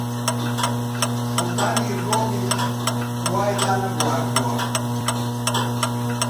سوڵتانی ڕۆمیش وای ڕانەبواردووە!